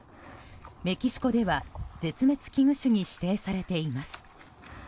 メキシコでは絶滅危惧種に指定されています。